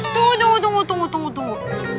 tunggu tunggu tunggu